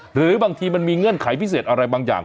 หรือบางทีมันมีเงื่อนไขพิเศษอะไรบางอย่าง